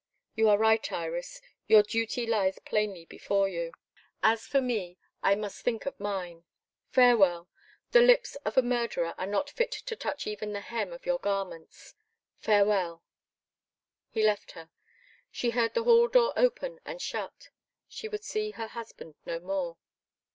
You are right, Iris. Your duty lies plainly before you. As for me, I must think of mine. Farewell! The lips of a murderer are not fit to touch even the hem of your garments. Farewell!" He left her. She heard the hall door open and shut. She would see her husband no more.